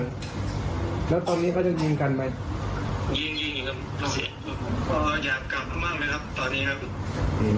คือรุนแรงตอนนี้ก็ยังยิงกันอยู่ใช่ไหม